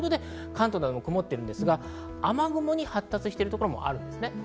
関東なども曇ってるんですが、雨雲に発達しているところもあるんですね。